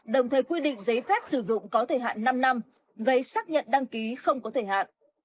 đồng thời quy định giấy phép sử dụng có thời hạn năm năm giấy xác nhận đăng ký không có thời hạn